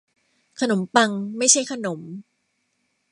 ขนมปังไม่ใช่ขนม